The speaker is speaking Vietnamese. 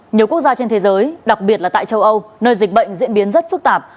nhiều quốc gia trên thế giới đặc biệt là tại châu âu nơi dịch bệnh diễn biến rất phức tạp